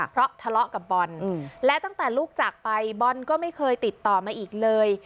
เพราะทะเลาะกับบอลและตั้งแต่ลูกจากไปบอลก็ไม่เคยติดต่อมาอีกเลย